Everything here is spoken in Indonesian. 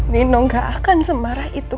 nino gak akan semarah itu